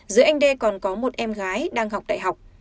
giữa anh đê còn có một em gái đang học đại học